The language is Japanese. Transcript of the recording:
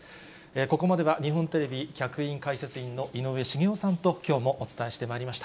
ここまでは日本テレビ客員解説員の井上茂男さんときょうもお伝えしてまいりました。